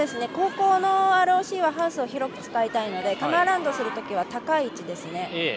後攻のＲＯＣはハウスを広く使いたいのでカムアラウンドするときは高い位置ですね。